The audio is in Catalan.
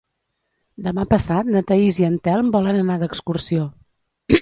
Demà passat na Thaís i en Telm volen anar d'excursió.